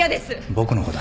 僕の子だ。